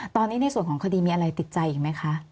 ตอนนี้ในส่วนของคดีมีอะไรติดใจอีกไหมคะ